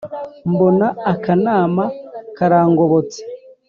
Mbona akanama karangobotse.